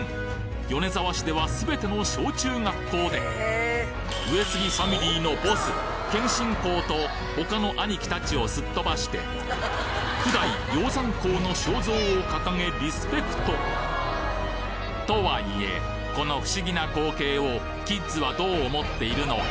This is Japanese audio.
米沢市では全ての小中学校で上杉ファミリーのボス謙信公と他のアニキたちをすっとばして９代鷹山公の肖像を掲げリスペクト！とはいえこの不思議な光景をキッズはどう思っているのか？